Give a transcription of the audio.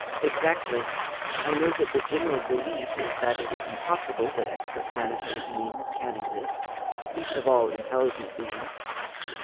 "Exactly. I know that the general belief is that it is impossible that extraplanetary beings can exist, least of all intelligent beings.